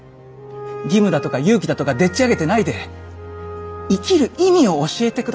義務だとか勇気だとかでっちあげてないで生きる意味を教えてくださいよ。